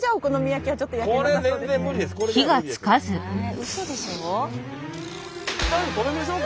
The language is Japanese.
うそでしょ？